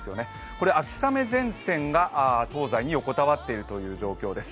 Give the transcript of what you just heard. これ、秋雨前線が東西に横たわっている状況です。